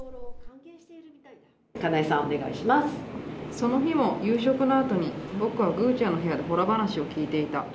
その日も夕食のあとに、僕はぐんちゃんの部屋でほら話を聞いていた。